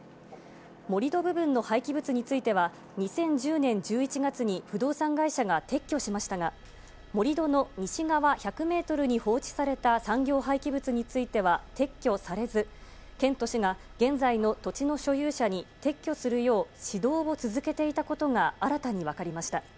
盛り土部分の廃棄物については、２０１０年１１月に不動産会社が撤去しましたが、盛り土の西側１００メートルに放置された産業廃棄物については撤去されず、県と市が現在の土地の所有者に、撤去するよう指導を続けていたことが新たに分かりました。